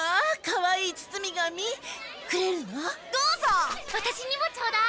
ワタシにもちょうだい。